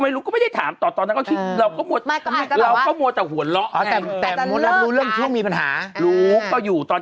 แต่ทำเดี๋ยวก่อนนะจะต้องเข้าบ้าน